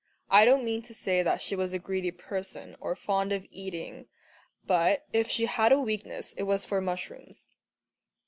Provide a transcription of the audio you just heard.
I don't mean to say that she was a greedy person or fond of eating, but if she had a weakness, it was for mushrooms.